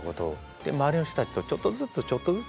で周りの人たちとちょっとずつちょっとずつ。